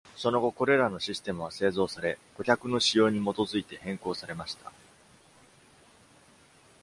その後、これらのシステムは製造され、顧客の仕様に基づいて変更されました。